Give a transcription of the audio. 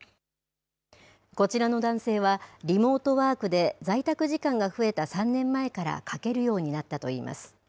こちらの男性は、リモートワークで在宅時間が増えた３年前から賭けるようになったといいます。